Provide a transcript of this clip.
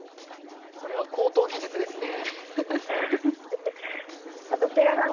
これは高等技術ですね。